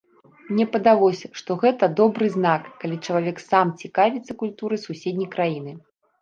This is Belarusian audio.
Мне падалося, што гэта добры знак, калі чалавек сам цікавіцца культурай суседняй краіны.